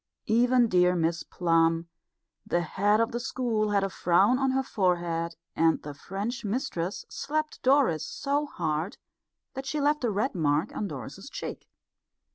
Even dear Miss Plum, the head of the school, had a frown on her forehead, and the French mistress slapped Doris so hard that she left a red mark on Doris's cheek.